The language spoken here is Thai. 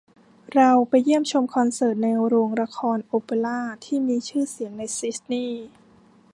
เราไปเยี่ยมชมคอนเสิร์ตในโรงละครโอเปร่าที่มีชื่อเสียงในซิดนีย์